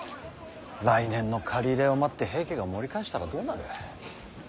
来年の刈り入れを待って平家が盛り返したらどうなる。